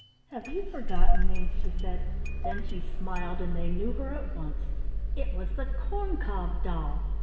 "Have you forgotten me?" she said. Then she smiled and they knew her at once. It was the corn cob doll!